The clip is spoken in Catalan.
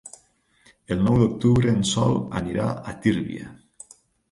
El nou d'octubre en Sol anirà a Tírvia.